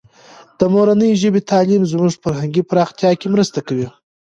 د مورنۍ ژبې تعلیم زموږ فرهنګي پراختیا کې مرسته کوي.